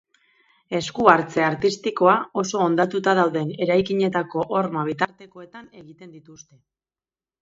Esku-hartze artistikoa oso hondatuta dauden eraikinetako horma bitartekoetan egiten dituzte.